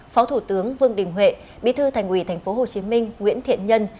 phó thủ tướng vương đình huệ bí thư thành ủy tp hcm nguyễn thiện nhân